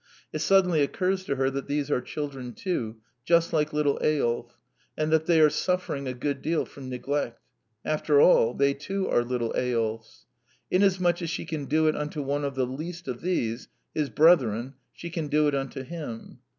It suddenly occurs to her that these are children too, just like little Eyolf, and that they are suffering a good deal from neglect. After all, they too are little Eyolfs. Inasmuch as she can do it unto one of the least of these his brethren she can do it unto him.